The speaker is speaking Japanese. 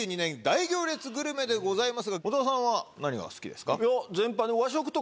大行列グルメでございますが小澤さんは何が好きですか？